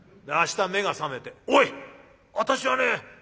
明日目が覚めて『おい！私はね